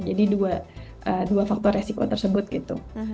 jadi dua faktor resiko tersebut gitu